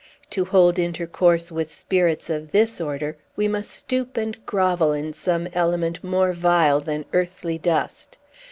To hold intercourse with spirits of this order, we must stoop and grovel in some element more vile than earthly dust.